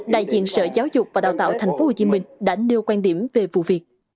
đại diện sở giáo dục và đào tạo tp hcm đã nêu quan điểm về vụ việc